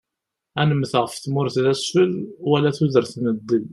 Ad nemmet ɣef tmurt d asfel, wal tudert n ddel.